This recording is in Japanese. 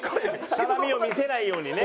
絡みを見せないようにね。